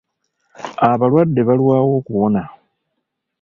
Abalwadde balwawo okuwona.